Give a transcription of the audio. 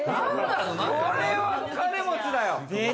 これは金持ちだぜ。